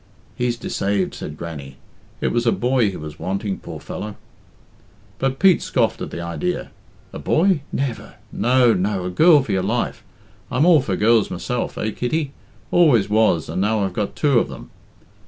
"He's deceaved," said Grannie. "It was a boy he was wanting, poor fellow!" But Pete scoffed at the idea. "A boy? Never! No, no a girl for your life. I'm all for girls myself, eh, Kitty? Always was, and now I've got two of them."